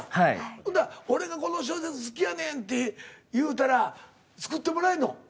ほんだら俺が「この小説好きやねん」って言うたら作ってもらえんの？